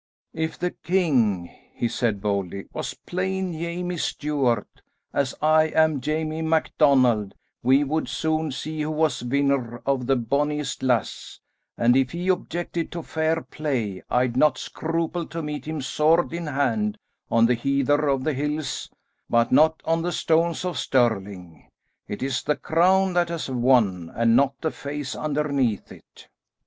"If the king," he said boldly, "was plain Jamie Stuart, as I am Jamie MacDonald, we would soon see who was winner of the bonniest lass, and if he objected to fair play I'd not scruple to meet him sword in hand on the heather of the hills, but not on the stones of Stirling. It is the crown that has won, and not the face underneath it."